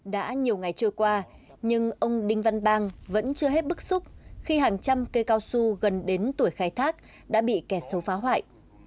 đã nhiều ngày trôi qua nhưng ông đinh văn bang vẫn chưa hết bức xúc khi hàng trăm cây cao su gần đến tuổi khai thác đã bị kẻ sâu phá hoại